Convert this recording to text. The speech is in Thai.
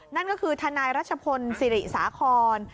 นั่นก็คือทนายรัชพลศิริสาคร